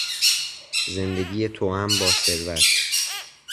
زندگی توام با ثروت